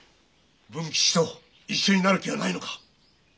文吉と一緒になる気はないのか？